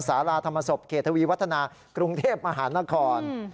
สาราธรรมศพเขตทวีวัฒนากรุงเทพมหานคร